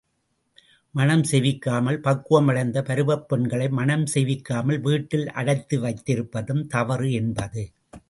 மணம் செய்விக்காமல் பக்குமடைந்தப் பருவப் பெண்களை மணம் செய்விக்காமல் வீட்டில் அடைத்து வைத்திருப்பதும் தவறு என்பது.